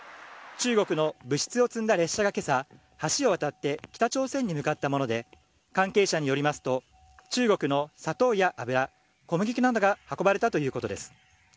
中国の物質を積んだ列車がけさ、橋を渡って北朝鮮に向かったもので、関係者によりますと、中国の砂糖や油、小麦粉などが運ばれたということです。